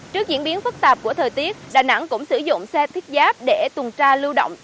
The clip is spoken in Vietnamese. trước diễn biến phức tạp của thời tiết đà nẵng cũng sử dụng xe thiết giáp để tuần tra lưu động